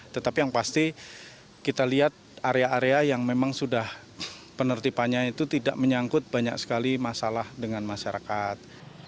tetapi yang pasti kita lihat area area yang memang sudah penertibannya itu tidak menyangkut banyak sekali masalah dengan masyarakat